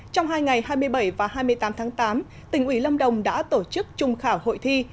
trong hai ngày hai mươi bảy và hai mươi tám tháng tám tỉnh ủy lâm đồng đã tổ chức trung khảo hội thi